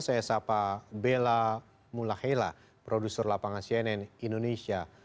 saya sapa bella mulahela produser lapangan cnn indonesia